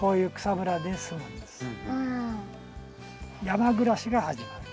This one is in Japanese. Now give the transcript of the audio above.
山暮らしが始まる。